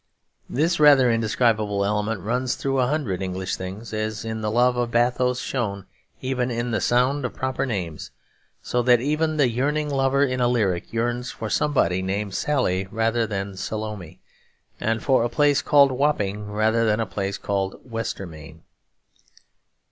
This rather indescribable element runs through a hundred English things, as in the love of bathos shown even in the sound of proper names; so that even the yearning lover in a lyric yearns for somebody named Sally rather than Salome, and for a place called Wapping rather than a place called Westermain.